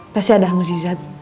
pasti ada hangus jizat